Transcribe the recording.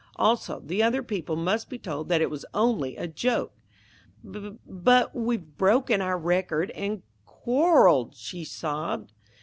Also, the other people must be told that it was only a joke." "B but we've broken our record and qu quarreled!" she sobbed.